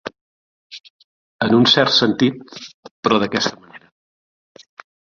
En un cert sentit, però d'aquesta manera.